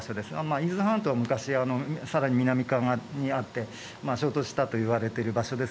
伊豆半島は、昔はもっと南側にあって衝突したと言われている場所です。